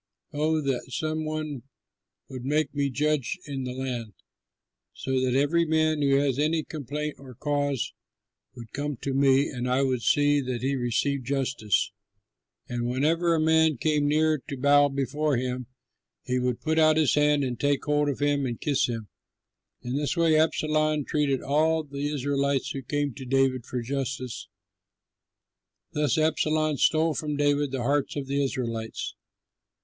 Oh, that some one would make me judge in the land, so that every man who has any complaint or cause would come to me, and I would see that he received justice!" And whenever a man came near to bow before him, he would put out his hand and take hold of him and kiss him. In this way Absalom treated all the Israelites who came to David for justice. Thus, Absalom stole from David the hearts of the Israelites.